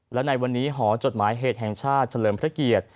และในวันนี้หอจดหมายเหตุแห่งชาติเฉลิมพระเกียรติ